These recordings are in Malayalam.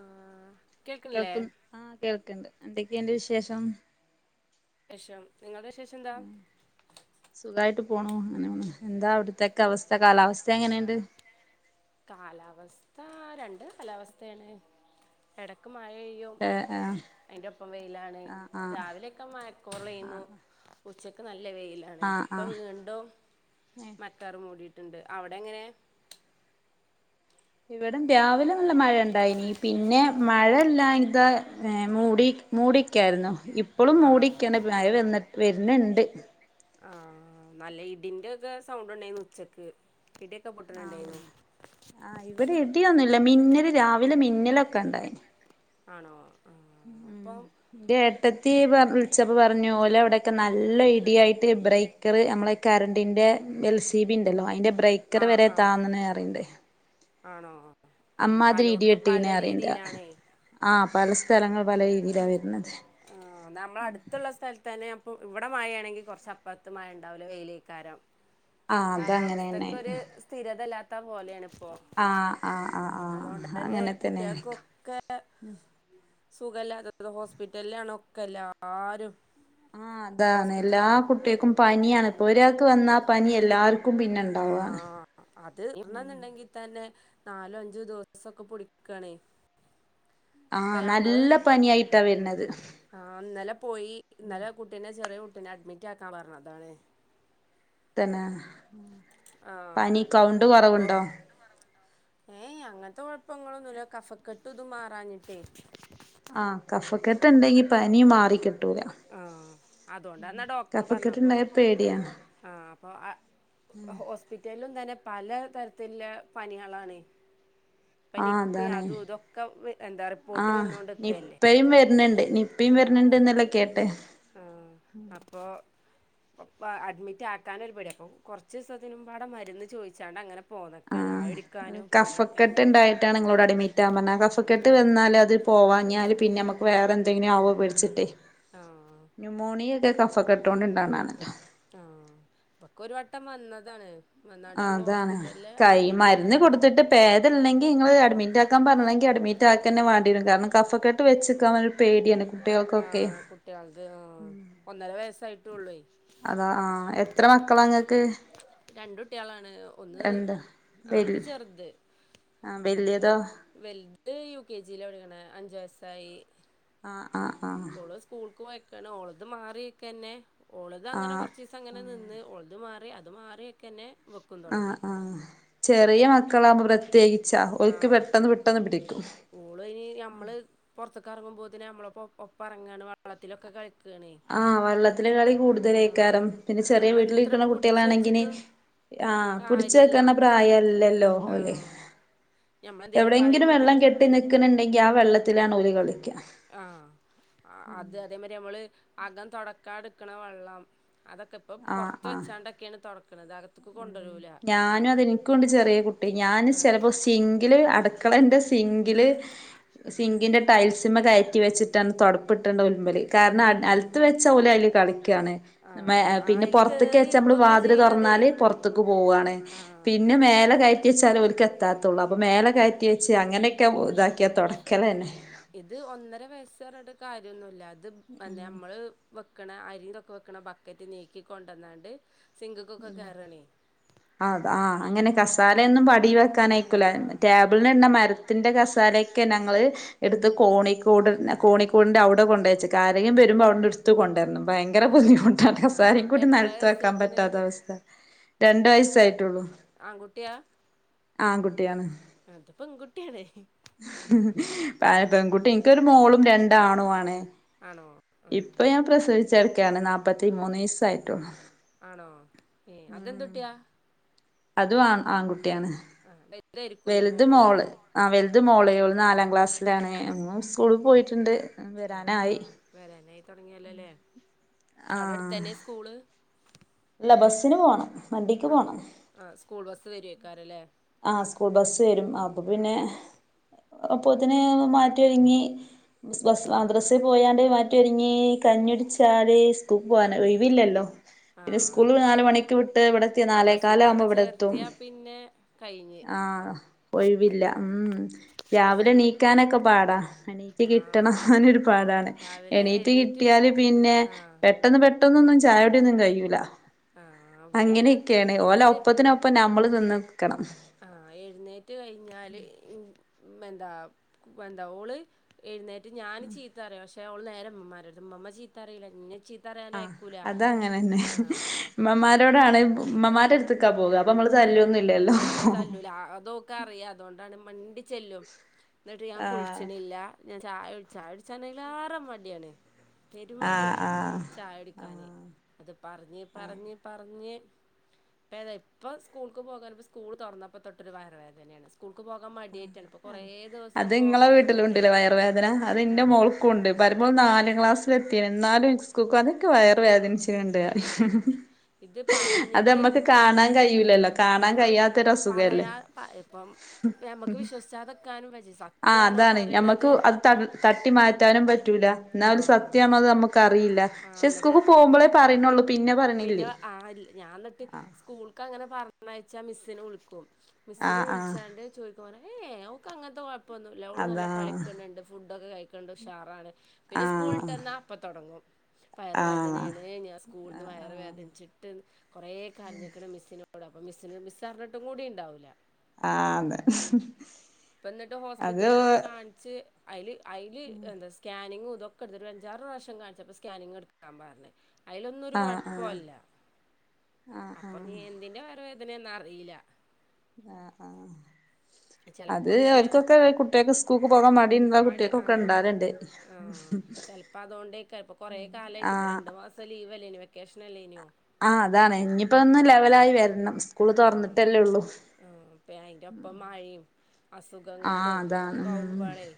ആഹ് കേൾക്ക ആഹ് കേൾക്കണ്ട് എന്തൊക്കെയ ഇണ്ട് വിശേഷം ഷം നിങ്ങളുടെ വിശേഷം എന്താ സുഖമായിട്ട് പോണു അങ്ങനെ എന്താ അവിടത്തക്ക അവസ്ഥ കാലാവസ്ഥ എങ്ങനെയുണ്ട് കാലാവസ്ഥ രണ്ട് കാലാവസ്ഥയാണ് എടക്ക് മഴ പെയ്യും ഏഹ് ആഹ് അതിൻ്റെ ഒപ്പം വെയിലാണ് ആഹ് ആഹ് രാവിലെയൊക്കെ മഴക്കോളാന്നു ആഹ് ഉച്ചക്ക് നല്ല വെയിലാണ് തണ ആഹ് ഇപ്പ ആഹ് വീണ്ടും മഴക്കാർ മൂടിയിട്ടുണ്ട് അവിടെ എങ്ങനെ ഇവിട രാവിലെ നല്ല മഴ ഉണ്ടായിനി പിന്നെ മഴല്ലാ ഇതാ ഏഹ് മൂടി മൂടിക്കായിരുന്നു ഇപ്പളും ആഹ് മൂടിക്കണ് മഴ വരണണ്ട് ആഹ് നല്ല ഇടിന്റെ ഒക്കെ സൗണ്ട് ഉണ്ടായിരുന്നു ഉച്ചക്ക് ഇടിയൊക്കെ പൊട് ആഹ് ആഹ് ഇവിടെ ഇടിയൊന്നുമില്ല മിന്നല് രാവിലെ മിന്നലൊക്കെ ഉണ്ടായിന് ആണോ അപ്പം എന്റെ ഏട്ടത്തി വിളിചെപ്പം പറഞ്ഞു ഓലെ അവിടെയൊക്കെ നല്ല ഇടിയായിട്ട് ഇബ്രയി ക്കറ് നമ്മളെ കറണ്ടിൻ്റെ എൽ സി ബി ഉണ്ടല്ലോ അതിൻ്റെ ബ്രേക്കർ ആഹ് വരെ ആഹ് താന്നെന്ന് അറിയണ്ടേ ആണോ അമ്മാതിരി ഇടി പലോടത്തും പല വെട്ടീനെ അറിയണ്ട രീതിയിലാണേ ആഹ് പല സ്ഥലങ്ങൾ പല രീതിയിലാ വരുന്നത് ആ നമ്മളടുത്തുള്ള സ്ഥലത്ത് തന്നെ അപ്പ ഇവിടെ മഴയാണെങ്കിൽ കുറച്ച അപ്പത്ത് മയ ഉണ്ടാവില്ലോ വെയിലേക്കാരം [inaudible] അതങ്ങനെന്നെ കാലാവസ്ഥക്കൊ ഒരു സ്ഥിരതല്ലാത്ത പോലെയാണ് ഇപ്പോ ആഹ് ആഹ് ആഹ് അതുകൊണ്ട് ആഹ് തന്നെ അങ്ങനെ ആയിരിക്കും കുട്ടികൾക്കൊക്കെ സുഖല്ലാത്തത് ഹോസ്പിറ്റലിലാണ് ഒക്കെല്ലാരും ആഹ് അതാണ് എല്ലാ കുട്ടികൾക്കും പനിയാണ് ഇപ്പോൾ ഒരാൾക്ക് വന്ന ആഹ് പനി എല്ലാവർക്കും പിന്നെ ആ ഉണ്ടാവുകയാണ് അത് ഇന്നന്നുണ്ടെങ്കിൽ തന്നെ നാലോ അഞ്ചോ ദിവസൊക്കെ പിടിക്കണേ ഇപ്പൊ ആഹ് നല്ല പനിയായിട്ടാ വരുന്നത് ആഹ് ഇന്നലെ പോയി ഇന്നലെ കുട്ടീ ചെറിയ കുട്ടീനെ അഡ്മിറ്റ് ആക്കാൻ പറഞ്ഞതാണ് തന്നെ ആ പനി കൗണ്ട് അപ്പൊ കുറവുണ്ടോ ഏയ് അങ്ങനത്തെ കുഴപ്പങ്ങളൊന്നുമില്ല കഫക്കെട്ട് ഇത് മാറാഞ്ഞിട്ടേ ആഹ് കഫക്കെട്ട ഉണ്ടെങ്കി പനിയ മാറി കിട്ടൂല ആഹ് അതുകൊണ്ടാന്നാ ഡോക്ടർ പറഞ്ഞപ്പോ കഫക്കെട്ടുണ്ടായ പേടിയാ ആഹ് അപ്പോൾ ഹോസ്പിറ്റലിലും തന്നെ പല തരത്തിലുള്ള പനികളാണ് ഇപ്പൊ ആഹ് നിപ്പി അതാണ് അതും ഇതൊക്കെ എന്താ റിപ്പോർട്ട് ആഹ് വന്നോണ്ട്ക്കല്ലേ നിപ്പയും വരുന്നുണ്ട് യുംപ്പ ആഹ് വരണണ്ട് എന്നല്ലാം കേട്ടെ ആഹ് അപ്പോ അപ്പ അഡ്മിറ്റ ആക്കാനൊരു പേടി അപ്പോൾ കുറച്ച് ദിവസത്തിനുമ്പടെ മരുന്ന് ചോദിച്ചാണ്ട് അങ്ങനെ പോന്നൊക്കാണ് ആവിടിക്കാനും ഇതിനൊക്കെ ന്നട്ടണ് ങ്ങളോട് അടിമിറ്റ് ആവാൻ പറഞ്ഞ കഫക്കെട്ട് ആഹ് വന്നാലും അത് പോവാഞ്ഞാല് പിന്നെ നമ്മക്ക് വേറെ എന്തെങ്കിലും ആവോ പേടിച്ചിട്ടെ ആഹ് ന്യൂമോണിയ ഒക്കെ കഫ ആഹ് ഇബക്കെരു വട്ടം വന്നതാണ് ന്നട്ട് ആഹ് നങ്ങള് ഹോസ്പിറ്റലില് അഡ്മിറ്റ് ആയതാണ് പേദല്ലെങ്കിൽ ങ്ങള് അഡ്മിറ്റാക്കാൻ പറഞ്ഞെങ്കി അഡ്മിറ്റാക്കന്നെ വേണ്ടി വരും കാരണം കഫക്കെട്ട് വെക്കൻ ഒരു പേടിയാണ് കുട്ടികൾക്കൊക്കെ ആഹ് കുട്ട്യാളത് ആഹ് ഒന്നര വയസ്സായിട്ടൊള്ളൂ അതാ ആഹ് എത്ര മക്കളാ ങ്ങക്ക് രണ്ടുട്ടിയാളാണ് ഒന്ന് ആഹ് ത് ചെറ്ത് ആഹ് വെല്ല്യതൊ വെൽത് യു കെ ജി ലാ പടിക്ക്ണ് അഞ്ച് വയസ്സായി ആഹ് ആഹ് ആഹ് പ്പോ സ്കൂൾക്ക് പോയക്കാണ് ഓളത് മാറിയെക്കന്നെ ആ ഓളതങ്ങനെ കൊറച്ചീസ അങ്ങനെ നിന്ന് ഓളതു മാറി അത് മാറി തന്നെ വെക്കും ആഹ് ആഹ് ചെറിയ മക്കളാകുമ്പോ പ്രത്യേകിച്ചാ ഓൽക്ക് പെട്ടെന്ന് പെട്ടെന്ന് പിടിക്കും ഓളയിന് നമ്മള് പുറത്തക്ക ഇറങ്ങുമ്പോത്തിന് നമ്മളപ്പൊ ഒപ്പറങ്ങാണ് വെള്ളത്തിലൊക്കെ കൾച്ചാ ആഹ് വെള്ളത്തില് കളി ആഹ് കൂടുതലേക്കാരം പിന്നെ ചെറിയ വീട്ടിൽ ഞമ്മളെത്ര ഇരിക്ക്ണ പുടിച്ച് കുട്ട്യാളാണെങ്കില് വെച്ചിട്ടും ആഹ് പിടിച്ച കാര്യല്ല വെക്കണ്ട പ്രായല്ലല്ലോ ഓലെ ആഹ് ഞമ്മളെന്തേലും എവിടെയങ്കിലും വെള്ളം പറയുമ്പോത്തിന് കെട്ടി നിക്കണണ്ടെങ്കിൽ ആ വെള്ളത്തിലാണ് ഓല് കളിക്ക ആഹ് ആഹ് അത് അതേമാരി നമ്മൾ അകം തൊടക്കാന്ട്ക്ക്ണ വെള്ളം അതൊക്കെ ആ പുറത്ത് ആ വെച്ചാണ്ടൊക്കെണ് തൊട്ക്ക്ണത് അത് ഞാനും അതെനിക്കുണ്ട് ചെറിയ കുട്ടി ഞൻ ചെലപ്പോ സിൻ സിൻങ്കില് അടുക്കളന്റെ സിങ്കിൽ സിങ്കിൻ്റെട് ടൈൽസിമ്മ കയറ്റി വെച്ചിട്ടാണ് തൊട്പ്പ് പ്പൾ കാരണം നെലത്ത് വെച്ച ഓല് അതില് കളിക്കാണ് ആഹ് പിന്നെ അയില് കേറി പൊറത്തൊക്കെച്ചാ നമ്മള് ഇരിക്കൊക്കെ വാതില് ചെയ്യണതേ തൊറന്നാല് പുറത്തക്ക് പോവാണ് ആഹ് പിന്നെ മേലെ കയ്റ്റി കെറ്റി വേച്ചാൽ ഓല്ക്ക്എതാത്തുള്ളൂ അപ്പോം മേലെ കയറ്റി വെച്ച് അങ്ങനെയൊക്കെ ഇതാക്കിയ തൊടക്ക ഇത് ഒന്നര വയ്സ്സ്റ്ഞ്ഞിട്ട് കാര്യന്നുല്ല ത് മ നമ്മള് വെക്ക്ണ അരിതെക്കെ വെക്ക്ണ ബക്കറ്റ് നീക്കി കൊണ്ടന്നാണ്ട് ക്ക് കാരാണ് അത ആഹ് അങ്ങനെ കസാലൊന്നും അടി വെക്കാനയ്ക്കൂല ടേബിളിനെന്നെ മരത്തിന്റെ മരത്തിന്റെ കസാലയൊക്കെ ഞങ്ങള് എടുത്ത് കോണിക്കൂട്ന്നെ കോണിക്കൂട്ൻ്റെ അവ്ടെ കൊണ്ടെച്ചക്ക ആരെങ്കും വെരുമ്പോ അവ്ടന്ന് എടുത്ത് കൊണ്ടർണം ഭയങ്കര ആഹ് ബുദ്ധിമുട്ടാണ് കസാരിം ആഹ് കൂടി എത്ര നിലത്ത് വക്കാൻ പറ്റൂല വയസ്സായിക്കണ് പ്പതാ അവസ്ഥ രണ്ട് വയസായിട്ടുള്ളൂ ആൺകുട്ടിയാ ആൺകുട്ട്യാണ് ആഹ് ത് പെൺകുട്ട്യാണ് ഉം ആയ് പെൺകുട്ടി എനിക്കൊരു മോളും രണ്ടാണു ആണ് ആണോ ഇപ്പൊ ആഹ് ഞാൻ പ്രസവിച്ചട്ക്കാണ് നാല്പ്പത്തി മൂന്നീസായിട്ടുള്ളൂ ആണോ ഏഹ് അതെന്തുട്ടിയ അതും അതു ആണാ ആഹ് വെലുത് മോള് ആഹ് വെലുത് മോള് ഓള് നാലാം ക്ലാസ്സിലാണ് ന്നും സ്കൂൾ പോയിട്ട്ണ്ട് ആഹ് ആഹ് വെരാനായി തൊടങ്ങിയല്ലോല്ലേ ആ അവ്ടെ അടുത്തന്നെ സ്കൂള് അല്ല ബസ്സിന് പോണം വണ്ടിക്ക് ആണോ പോണം ആഹ് സ്കൂൾ ബസ്സ് വെരയ്ക്കാരല്ലെ ആഹ് സ്കൂൾ ബസ് വരും അപ്പ പിന്നെ അപ്പോത്തിന് മാറ്റി ഒരുങ്ങി ബിസ്ബസ്സ് മദ്രസെ പോയാണ്ട് മാറ്റി മാറ്റി ഒരുങ്ങി കഞ്ഞുടിച്ചാല് സ്ക്കൂക്ക് പോവാനായ് ഒഴിവില്ലല്ലോ പിന്നെ ആഹ് സ്കൂൾ നാല് മണിക്ക് വിട്ട് ഇവിടെത്തിയ നാലേകാലകുമ്പോ ഇവിടെ എത്തും. പിന്നേ ആഹ് ഒഴിവില്ല ഉം രാവിലെ എണീ ക്കാനൊക്കെ പാടാ അണീക്ക് കിട്ടണം ആഹ് ഒരു പാടാണ്- രാവിലെ എണീറ്റ് എഴുന്നേറ്റ് കിട്ടിയാല് പിന്നെ ആഹ് പെട്ടന്ന് പെട്ടന്നൊന്നും ചായുടിയൊന്നും കഴിയൂല ആഹ് ഇവിടെ അങ്ങനെ അങ്ങനെയൊക്കെണ് തന്നെയാണ് ഓലെ ഇത് ഒപ്പത്തിനൊപ്പം നമ്മൾ നിന്നെട്ക്കണം. ആഹ് എഴുന്നേറ്റ് കഴിഞ്ഞാല് ഉം എന്താ എന്ത ഓള് എഴുന്നേറ്റ് ഞാന് ചീത്തറയും ക്ഷെ ഓള് നേരെര മ്മമാരോമ്മ ചീത്തറില ന്നെ ചീത്തറിയാനു അയക്കൂല അതങ്ങനെ തന്നെ ആഹ് ഇമ്മമാരോടാണ് ഇമ്മമാന്റെ അടുത്ത്ക്കാ പോക അപ്പൊ നമ്മള് ആഹ് തല്ലൊന്നും ഇല്ലല്ലോ- ഞമ്മള് തല്ലൂല അതോക്ക് അറിയാ അതുകൊണ്ടാണ് മണ്ടി ചെല്ലും. ഇന്നട്ട് ഞാൻ ആഹ് കുളിച്ച്ണില്ല ഞാൻ ചായ ചായ കുടിച്ചണെങ്കില് അയിലാറെ മടിയാണ്. ആഹ് പെരുമടിയാണ് ആഹ് ചായ കുടിക്കാന്. ആഹ് അത് പറഞ്ഞ് പറഞ്ഞ് പറഞ്ഞ് ഇപ്പതേ ഇപ്പം സ്കൂൾക്ക് പോകാന് സ്കൂൾ തുറന്നപ്പോ തൊട്ടൊരു വയറവേദനയാണ് അത് നിങ്ങളെ പോകാതെ നിന്നിട്ടെ വീട്ടിലുണ്ടല്ലേ വയറുവേദന അത് ഇൻ്റെ ആഹ് മോൾ കൊണ്ട് വരുമ്പോ നാല് ക്ലാസ്സില് എത്തീണ് എന്നാലും സ്ക്കൂക്ക് പോ ഇൻക്ക് വയറ് വേദനിച്ചിണ്ട്. ആഹ് ഇത് അത് പറഞ്ഞിട്ട് നമ്മക്ക് കാണാൻ കഴിയുലല്ലോ കാണാൻ ആഹ് കഴിയാ പറയാ പ ഇപ്പം ഞമ്മക്ക് വിശ്വസിച്ചാതെക്കാനും പറ്റി ആഹ് സത്യാണോ അതാണ് പറയണത് ഞമ്മക്ക് അത് ത തട്ടി മാറ്റാനും പറ്റൂല. ഇന്ന ഒരു ആഹ് സത്യാണോ എന്ന് നമ്മക്ക് അറിയില്ല ആഹ് പക്ഷെ സ്കൂക്ക് എന്നിട്ട് പോകുമ്പോളേ പറീണുള്ളൂ പിന്നെ പിന്നെ പറയണില്ലേ- ആ ഞാൻ ഇന്നട്ട് സ്കൂൾക്ക് അങ്ങനെ പറഞ്ഞഴച്ചാ മിസ്സിന് വിളിക്കും മിസ്സിന് ആഹ് ആഹ് വിളിച്ചാണ്ട് ചോയി ക്കുനെ ഏഹ് അവക്ക് അങ്ങനത്തെ കുഴപ്പമൊന്നുല്ല ഓള് നല്ല അതാ കളിക്കണിണ്ട് ഫുഡൊക്കെ കഴിക്ക്ണ്ട് ഉഷാറാണ്. പിന്നെ ആഹ് സ്കൂളിട്ടന്നാ അപ്പൊ തുടങ്ങും വയറ് ആഹ് ആഹ് വേദനയാണ് ഞാൻ സ്കൂളിൽ നിന്ന് വയറ് ആഹ് വേദനിച്ചി ഇട്ട് കുറെ കരഞ്ഞിക്ക്ണ് മിസ്സിനോട് അപ്പം മിസിന് മിസ് അറിഞ്ഞിട്ടും കൂടി ഉണ്ടാവൂല്ല ആതെ. ഇപ്പ ഇന്നട്ട് ഹോസ്പിറ്റലിലൊക്കെ കാണിച്ച് അയില് അയില് എന്താ സ് സ്കാനിങ്ങും ഇതൊക്കെ എടുത്ത് ഒരു അഞ്ചാറ് പ്രാവശ്യം കാണിച്ചപ്പോ സ്കാനിങ് ഇട്ക്കാൻ പറഞ്ഞ് അയിലൊന്നും ഒരു ആഹ് കൊഴപ്പുല്ല അപ്പൊ ഇനി എന്തിന്റെ വയറുവേദന എന്ന് അറീല്ല ആഹ് ആഹ്. അത് ചെലപ്പോ ഇങ്ങനെ അവർക്കൊക്കെ കുട്ടേക്ക് സ്കൂക്ക് പോകാൻ മടി ഉള്ള കുട്ടേക്കൊക്കെ ഉണ്ടാവല്ണ്ട്. ആഹ് ചെലപ്പോ അതോണ്ടേക്കാ ഇപ്പ കൊറേ കാലായിട്ട് ഇപ്പ ആഹ് രണ്ടു മാസ് സം ലീവല്ലേനോ വെക്കേഷന അല്ലേനു ആഹ് അതാണ് ഇനിപ്പോ ഒന്ന് ലെവലായി വരണം സ്കൂള് തുറന്നിട്ടല്ലേ ഉള്ളൂ. അപ്പെ അയിൻ്റെ ഒപ്പം മഴിം ആഹ് അസുഖങ്ങളും അതാണ് ഒക്കെ ഉം ആകുമ്പോളേ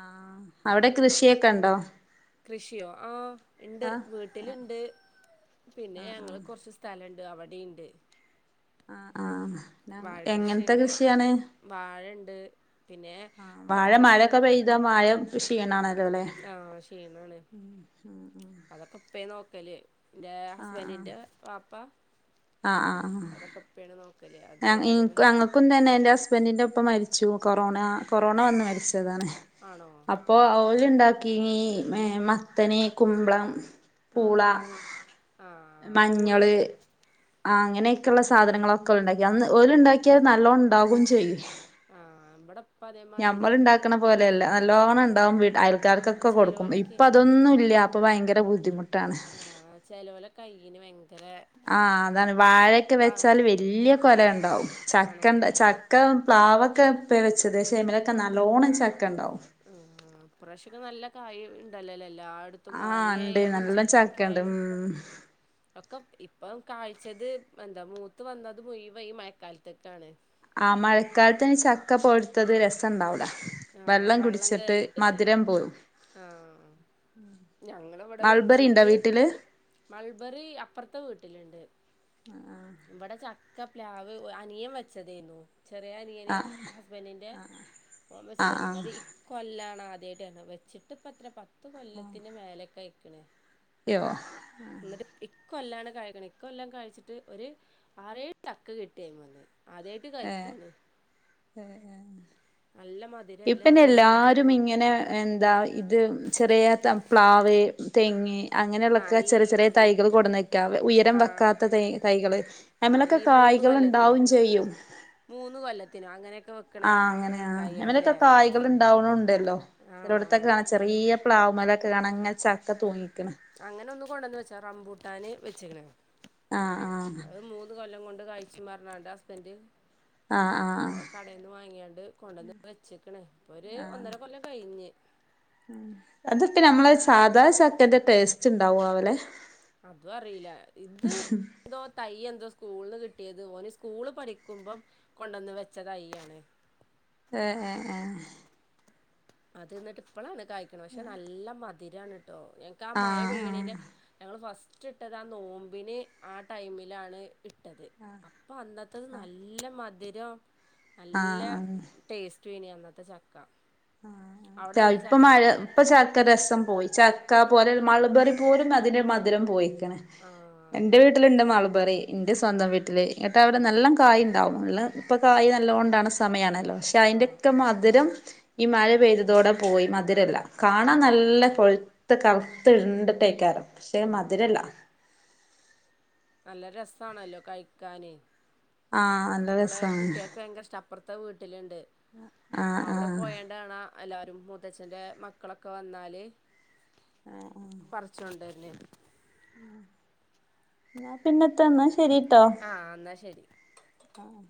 ആഹ് അവിടെ കൃഷിയൊക്കെ ഉണ്ടോ? കൃഷിയോ ആഹ് ഇണ്ട് ആഹ് വീട്ടില്ണ്ട് പിന്നെ ഞങ്ങള് കൊറച്ച് സ്ഥലണ്ട് അവടെയിണ്ട്. ആഹ് ആഹ് വാഴ എങ്ങനത്തെ കൃഷിണ്ട് കൃഷിയാണ് വാഴണ്ട് പിന്നെ ആഹ് വാഴ കാക്ക മഴൊക്കെ പെയ്താ മാഴെ കൃഷി ചെയ്യ്ണാണല്ലോല്ലേ ച്ചെയ്യണാണ് അതൊക്കെ ഉപ്പേ നോക്കല് ഇൻ്റെ ഹസ്ബൻഡിന്റെ വാപ്പ ആഹ് ആഹ്.. പപ്പയാണ് നോക്കല് അത് അതേമാ ഇൻക്കും അങ്ങക്കും തന്നെ എന്റെ ഹസ്ബൻഡിന്റെ ഇപ്പ മരിച്ചു കൊറോണ കൊറോണ വന്നു മരിച്ചതാണ്. ആണോ? അപ്പൊ അവ ഓല് ഉണ്ടാക്കിനി ഏഹ് മത്തന് കുമ്പളം പൂള ആഹ് അങ് ആഹ് മഞ്ഞള് പൂളേണ് അങ്ങനെയൊക്കെയുള്ള സാധനങ്ങളൊക്കെ ഉണ്ടാക്കി അന്ന് ഓല് ഉണ്ടാക്കിയാൽ നല്ലോം ഉണ്ടാവും ചെയ്യും. ആഹ് ഇവടെ ഇപ്പ അതെ മ ഞമ്മൾ ഇണ്ടാക്ക്ണ പോലെയല്ല നല്ലോണം ഇണ്ടാവും വീട് അയൽക്കാർ ക്കൊക്കെ കൊടുക്കും ചെലോൽക്ക് ഇപ്പ അതൊന്നും ഇല്ല അപ്പൊ ഭയങ്കര ബുദ്ധിമുട്ട് ആഹ് ചെലോല കൈന് ഭയങ്കര ആഹ് അതാണ് വാഴ ഒക്കെ ബാ വെച്ചാല് വല്ല്യ കൊല ഉണ്ടാകും ആണോ ചക്കണ്ട ചക്ക പ്ലാവൊക്കെ ഉപ്പേ വെച്ചത് പക്ഷേ അയ്മലോക്കെ നല്ലോണ്ണം ചക്കണ്ടാവും ആഹ് ആഹ് ഇപ്രാവശ്യം ഒക്കെ നല്ല കായി ഇണ്ടല്ലോല്ലേ എല്ലാട ത്തും ആഹ് മാങ്ങ ഇണ്ട് ആയാലും നല്ലോം ചക്ക ചക്കണ്ട് ആയാലും ഉം ഒക്കെ ഇപ്പം കാഴ്ചത് എന്താ മൂത്ത് വന്നത് മുയ്‌വന് ഈ മഴക്കാലത്ത് ത്തെ ആണ്. ആഹ് മഴക്കാലത്തയ്ൻ ചക്ക പോയുത്തത് രസണ്ടാവൂല. ആഹ് വെള്ളം കുടിച്ചിട്ട് കേറിട്ടേ മധുരം പോവും ആഹ് ഞങ്ങളവിടെ മൾബറി ഇണ്ടോ വെച്ചിട്ട്. വീട്ടില് മൾബറി അപ്പറത്തെ വീട്ടിലുണ്ട്. ഇവിടെ ചക്ക പ്ലാവ് അനിയൻ വെച്ചതായിരുന്നു ചെറിയ അനിയന് ആഹ് ഹസ്ബന്റിന്റെ. ഓൻ ആഹ് വെച്ചതന്നെ ആഹ് അത് ഇ കൊല്ലാണ് ആദ്യയിട്ട് വെച്ചിട്ട് ഇപ്പ അത്ര പ പത്ത് കൊല്ലത്തിന്റെ മേലെ അയ്കണ്. [unintelligible] എന്നിട്ട് ഇകോല്ലാണ് കഴിക്കണ ഇക്കൊല്ലം കഴിച്ചിട്ട് ഒരു. ആറ് ഏയ് ചക്ക കിട്ടി അയ്മന്ന് അദ്യ ഏഹ്. തന്നെ നല്ല മ ഇപ്പന്നെ എല്ലാരും ഇങ്ങനെ എന്താ ഇത് ചെറിയ പ്ലാവ്. തെങ്ങ് ആഹ് അങ്ങനെയുള്ളൊക്കെ ഈ ചെറിയ ചെറിയ തൈകൾ കൊടുന്ന് വക്കുക ഉയരം ആഹ് വെക്കാത്ത ത തൈകൾ. ആ അയ്മലൊക്കെ ഈ മൂന്ന് കായ്കൾ കൊല്ലത്തിനോ ഉണ്ടാവും ചെയ്യും. മൂന്ന് കൊല്ലത്തിനും അങ്ങനെയൊക്കെ. വെക്കണ ആഹ് അങ്ങനെയ ആ അങ്ങനെയൊക്കെ കായ്കളില്ലേ കായകൾ ഉണ്ടാവണു ഉണ്ടല്ലോ ആ ചരോടത്തൊക്കെ ചെറിയ പ്ലാവ് മലൊക്കെ കാണാ ചക്ക തൂങ്ങിക്ക്ണെ അങ്ങനെ ഒന്ന് കൊണ്ടുവന്ന് വെച്ചാ റമ്പൂട്ടാന് വെച്ചെകണ്. ആഹ് ആഹ്. അത് മൂന്ന് കൊല്ലം കൊണ്ട് കഴിച്ചു പറഞാണ്ട് ഹസ്ബന്റ് ആഹ് ആഹ് അവിടെന്ന് വാങ്ങിയാണ്ട് കൊണ്ടന്ന് വെച്ചേക്കണേ ഇപ്പൊ ഒരു ഒന്നര കൊല്ലം കഴിഞ്ഞ്. അതൊക്കെ നമ്മളെ സാധാ ചക്കന്റെ ടേസ്റ്റ് ഉണ്ടാവും അവോ ലെ. അതും അറീല ഇത് എന്തോ തൈ എന്തോ സ്കൂളിന്ന് കിട്ടിയത് ഓനി സ്കൂള് പഠിക്കുമ്പം കൊണ്ടന്ന് വെച്ച തൈയ്യ് ആണ്. ഏഹ് ഏഹ് അത് നിന്നിട്ട് ഇപ്പളാണ് കായ്ണ പക്ഷെ നല്ല മധുരാണിട്ടോ ഞങ്ങക്ക് ആ മഴ ആഹ് പെയണീന്റെ. ആഹ് ഞങ്ങൾ ഫസ്റ്റ് ഇട്ടത് ആ നോമ്പിന് ആ ടൈമിലാണ് ഇട്ടത്. ആഹ്. അപ്പൊ അന്നത്തത് നല്ല മധുരം നല്ല. ആഹ് ആഹ് ടേസ്റ്റ്യ്നി അന്നത്തെ ചക്ക. ആ അവിടെല്ലേ ഇപ്പ ചക്ക മഴ ഇപ്പൊ ചക്ക രസം പോയി ചക്ക പോലെ മളബറി. പ്പോലും അതിന്റെ മധുരം പോയിക്കണ്. ആഹ് എന്റെ വീട്ടിലുണ്ട് മൾബറി എന്റെ സ്വന്തം വീട്ടിൽ. കേട്ടാ അവടെ നല്ലാം കായ് ഉണ്ടാവും നല്ല ഇപ്പൊ കായ് നല്ലത് കൊണ്ടാണ് സമയമാണല്ലോ പക്ഷെ അതിന്റെയൊക്കെ ആഹ് മധുരം. ഈ മഴ പെയ്തതോടെ പോയി മധുരല്ല കാണാൻ ആഹ് നല്ല കൊയ്യ് ത്ത് കറുത്ത് ഇര്ണ്ടിട്ടേക്കാരം പക്ഷെ ആഹ് മധുരല്ല. നല്ല രസാണല്ലോ കഴിക്കാന് ആഹ് നല്ല ഇവിടെ രസാണ് കുട്ട്യാൾക്ക് ഭയങ്കര ഇഷ്ട അപ്പുറത്തെ വീട്ടിലുണ്ട് ആഹ് അവിടെ ആഹ് പോയാണ്ട ആണ എല്ലാവരും മൂത്തച്ഛൻ്റെ മക്കളൊക്കെ വന്നാൽ പറിച്ച്കോണ്ടരേലെ. എന്നാ പിന്നെ ഇന്നാ ശെരിട്ടോ. ആഹ് എന്നാൽ ശെരി ആഹ്